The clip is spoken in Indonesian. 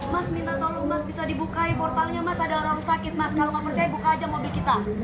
mas minta tolong mas bisa dibukain portalnya mas ada orang sakit mas kalau nggak percaya buka aja mobil kita